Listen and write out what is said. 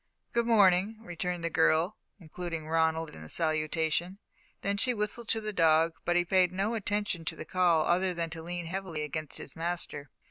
"Good morning," returned the girl, including Ronald in the salutation. Then she whistled to the dog, but he paid no attention to the call other than to lean heavily against his master.